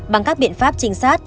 bằng các biện pháp trinh sát